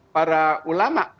para ulama pendiri